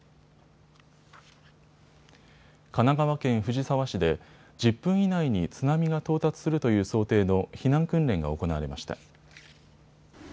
神奈川県藤沢市で１０分以内に津波が到達するという想定の避難訓練が行われました。